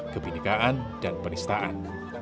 kebindikaan dan penistaan